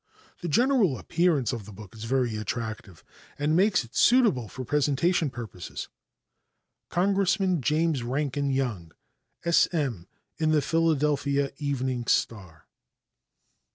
The general appearance of the book is very attractive and makes it suitable for presentation purposes. Congressman James Rankin Young (S. M., in the Philadelphia Evening Star).